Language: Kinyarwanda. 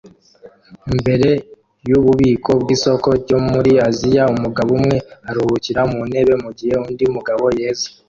Imbere yububiko bwisoko ryo muri Aziya umugabo umwe aruhukira ku ntebe mugihe undi mugabo yeza